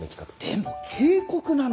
でも警告なんて。